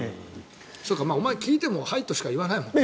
そうか、お前、聞いてもはいとしか言わないよな。